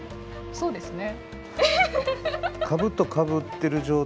そうですね。